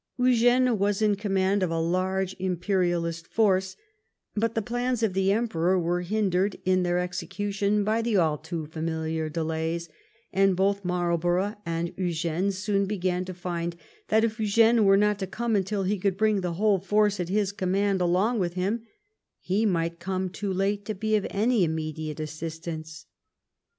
Eugene was in command of a large imperialist force, but the plans of the Emperor were hindered in their execution by the all too familiar delays, and both Marlborough and Eugene soon began to find that, if Eugene were not to come until he could bring the whole force at his command along with him, he might 350 WHAT THE WAR WAS COMING TO come too late to be of any immediate assistance.